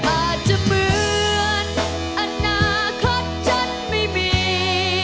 อาจจะเหมือนอนาคตฉันไม่มี